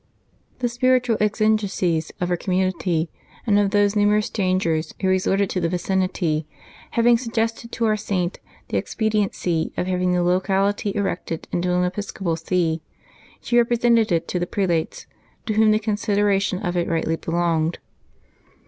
The spiritual exigencies of her community, and of those numerous strangers who resorted to the vicinity, having suggested to our Saint the expediency of having the local ity erected into an episcopal see, she represented it to the prelates, to whom the consideration of it rightly belonged.